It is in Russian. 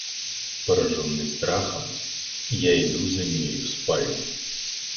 Пораженный страхом, я иду за нею в спальню.